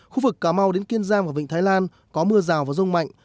khu vực cà mau đến kiên giang và vịnh thái lan có mưa rào và rông mạnh